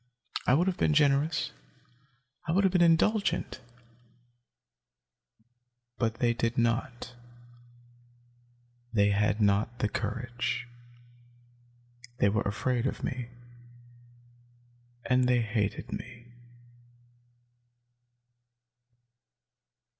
I would have been generous. I would have been indulgent. But they did not. They had not the courage. They were afraid of me. And they hated me."